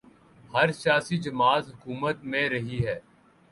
ہر سیاسی جماعت حکومت میں رہی ہے۔